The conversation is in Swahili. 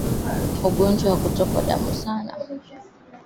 Ugonjwa wa kutoka damu sana huchangia mimba kuporomoka